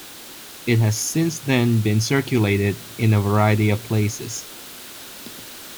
It has since then been circulated in a variety of places.